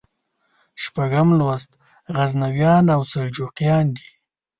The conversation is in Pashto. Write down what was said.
شپږم لوست غزنویان او سلجوقیان دي.